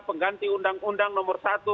pengganti undang undang nomor satu